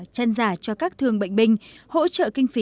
chân giả cho các thương bệnh binh hỗ trợ kinh phí